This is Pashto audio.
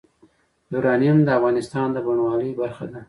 یورانیم د افغانستان د بڼوالۍ برخه ده.